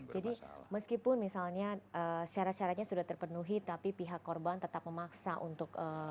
jadi meskipun misalnya syarat syaratnya sudah terpenuhi tapi pihak korban tetap memaksa untuk